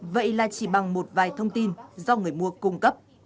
vậy là chỉ bằng một vài thông tin do người mua cung cấp